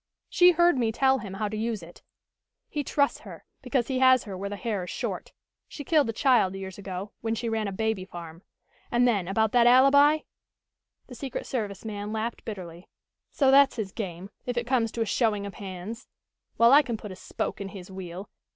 She heard me tell him how to use it. He trusts her, because he has her where the hair is short. She killed a child years ago, when she ran a baby farm. And then about that alibi " The secret service man laughed bitterly. "So that's his game, if it comes to a showing of hands? Well, I can put a spoke in his wheel.